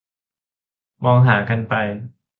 มองหากันไป